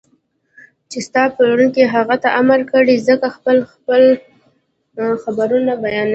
چې ستا پالونکي هغې ته امر کړی زکه خپل خپل خبرونه بيانوي